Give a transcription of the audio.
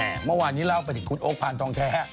เมื่อมาถึงเมื่อกั้นเราไปถึงคุณโอ้คภารส์ฯองแท้